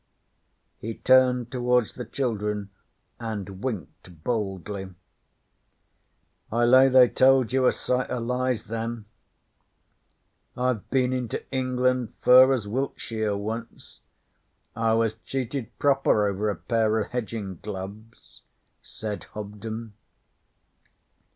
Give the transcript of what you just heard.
He turned towards the children and winked boldly. 'I lay they told you a sight o' lies, then. I've been into England fur as Wiltsheer once. I was cheated proper over a pair of hedgin' gloves,' said Hobden.